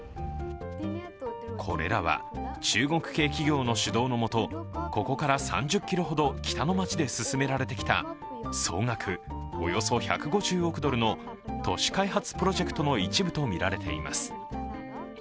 これらは中国系企業の主導のもとここから３０ｋｍほど北の町で進められてきた総額およそ１５０億ドルの都市開発プロジェクトの一部とみられています。